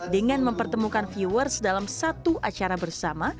dengan mempertemukan viewers dalam satu acara bersama